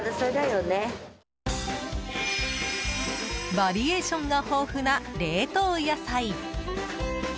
バリエーションが豊富な冷凍野菜。